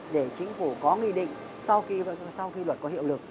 để chính phủ có nghị định sau khi luật có hiệu lực